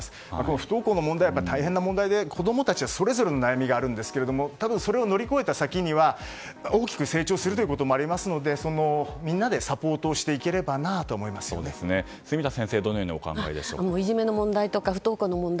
不登校の問題は大変な問題で子供たちはそれぞれの悩みがあるんですが多分、それを乗り越えた先には大きく成長するということもありますのでみんなでサポート住田先生、どのようにいじめの問題とか不登校の問題